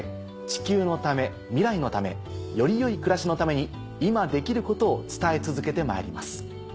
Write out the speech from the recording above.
地球のため未来のためより良い暮らしのために今できることを伝え続けてまいります。